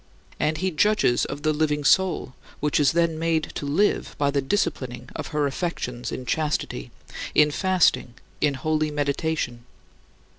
And he judges of the "living soul," which is then made to live by the disciplining of her affections in chastity, in fasting, and in holy meditation.